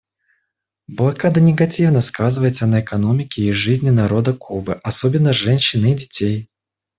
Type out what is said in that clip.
Блокада негативно сказывается на экономике и жизни народа Кубы, особенно женщин и детей.